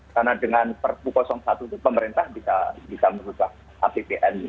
karena dengan perpukosan satu itu pemerintah bisa merubah apbn